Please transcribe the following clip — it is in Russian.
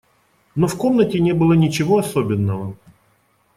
Но в комнате не было ничего особенного.